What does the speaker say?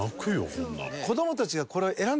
こんなの。